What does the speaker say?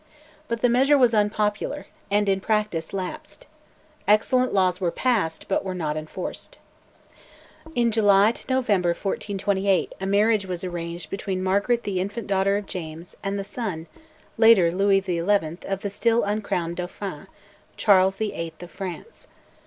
But the measure was unpopular, and in practice lapsed. Excellent laws were passed, but were not enforced. In July November 1428 a marriage was arranged between Margaret the infant daughter of James and the son (later Louis XI.) of the still uncrowned Dauphin, Charles VIII. of France.